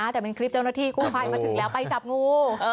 แต่เป็นคลิปเจ้าหน้าที่กู้ภัยมาถึงแล้วไปจับงู